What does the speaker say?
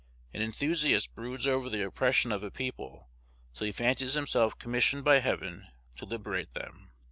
An enthusiast broods over the oppression of a people till he fancies himself commissioned by Heaven to liberate them.